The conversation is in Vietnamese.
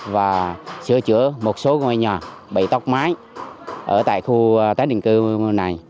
và sửa chữa một số ngôi nhà bị tốc mái ở tại khu tái định cư này